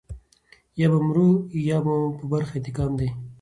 یا به مرو یا مو په برخه انتقام دی.